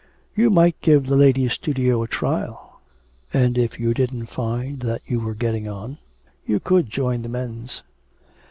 'You might give the ladies' studio a trial, and if you didn't find you were getting on you could join the men's.'